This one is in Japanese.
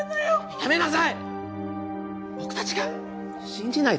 やめなさい！